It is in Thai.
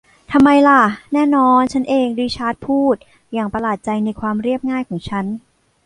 ทำไมหละ แน่นอน ฉันเอง ริชาร์ดพูดอย่างประหลาดใจในความเรียบง่ายของฉัน